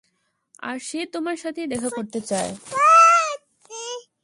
আর সে তোমার সাথেই দেখা করতে চায়।